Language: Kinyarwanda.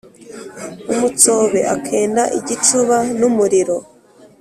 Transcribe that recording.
umutsobe akenda igicúba n úmuriro